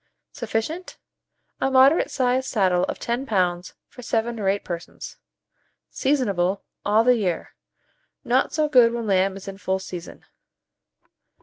Sufficient. A moderate sized saddle of 10 lbs. for 7 or 8 persons. Seasonable all the year; not so good when lamb is in full season.